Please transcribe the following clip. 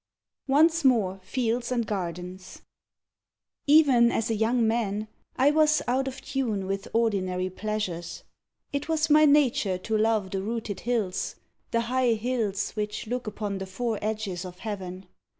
ONCE MORE FIELDS AND GARDENS BY T'AO YÜAN MING Even as a young man I was out of tune with ordinary pleasures. It was my nature to love the rooted hills, The high hills which look upon the four edges of Heaven.